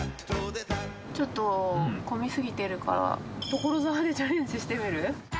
ちょっと混み過ぎてるから、所沢でチャレンジしてみる？